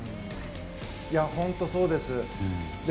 本当にそうです。